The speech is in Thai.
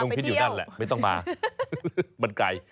พิษอยู่นั่นแหละไม่ต้องมามันไกล